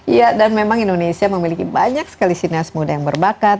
iya dan memang indonesia memiliki banyak sekali sinias muda yang berbakat